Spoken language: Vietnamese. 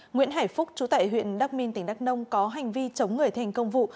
nguyễn hải phúc trú tại huyện đắc minh tỉnh đắc nông có hành vi chống người thành công vụ